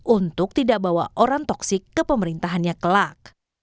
untuk tidak bawa orang toksik ke pemerintahannya kelak